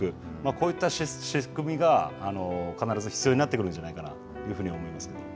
こういった仕組みが必ず必要になってくるんじゃないかなというふうに思います。